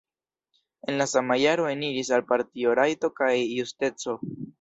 En la sama jaro eniris al partio Rajto kaj Justeco.